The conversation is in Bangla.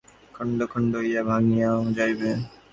সেই শক্তির অভাব ঘটিলেই গ্লাসটি খণ্ড খণ্ড হইয়া ভাঙিয়া যাইবে।